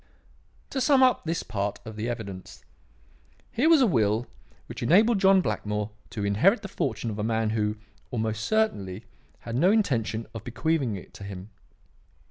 "To sum up this part of the evidence. Here was a will which enabled John Blackmore to inherit the fortune of a man who, almost certainly, had no intention of bequeathing it to him.